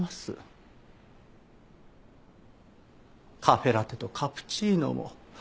カフェラテとカプチーノも不倫と。